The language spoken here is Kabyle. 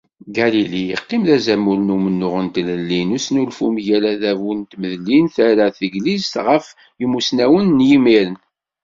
Galili iqqim d azamul n umennuɣ n tlelli n usnulfu mgal adabu d tmedlin terra teglizt ɣef yumussnawen n yimiren.